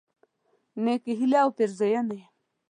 نیکی هیلی او پیرزوینی